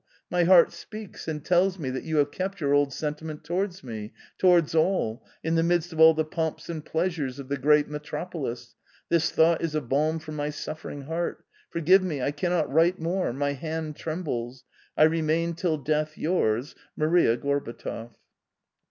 my heart speaks and tells me that you have kept your old sentiment towards me — towards all — in the midst of all the pomps and pleasures of the great metropolis. This thought is a balm for my suffering heart. Forgive me, I cannot write more, my hand trembles. " I remain till death yours, "Maria Gorbatov."